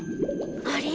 あれ？